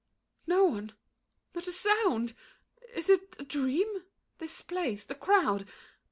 No one! Not a sound! Is it A dream—this place? the crowd?